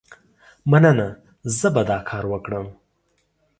مننه، زه به دا کار وکړم.